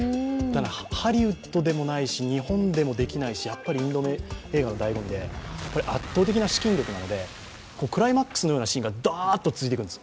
ハリウッドでもないし日本でもできないし、インド映画のだいご味で圧倒的な資金力なので、クライマックスのようなシーンがダーッと続いていくんです。